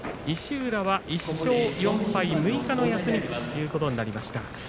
石浦は１勝４敗６日の休みということになりました。